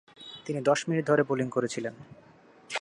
তিনি দশ মিনিট ধরে বোলিং করেছিলেন।